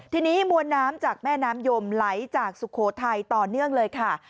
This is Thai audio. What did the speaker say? ทีนี้มวลน้ำจากแม่น้ำยมไหลจากสุโขทัยต่อเนื่องเลยค่ะ